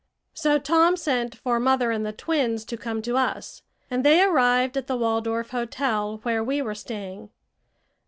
So Tom sent for mother and the twins to come to us, and they arrived at the Waldorf Hotel, where we were staying.